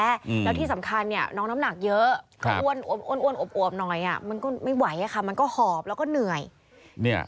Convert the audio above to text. แล้วที่สำคัญเนี่ยน้องน้ำหนักเยอะอ้วนอมอ้วนอวบหน่อยอ่ะมันก็ไม่ไหวอ่ะค่ะมันก็หอบแล้วก็เหนื่อยเนี่ย